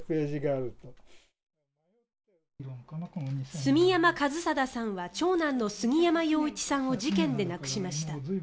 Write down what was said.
住山一貞さんは長男の杉山陽一さんを事件で亡くしました。